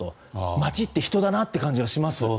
街って人だなって感じがします。